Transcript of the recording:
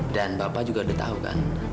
dan bapak juga udah tau kan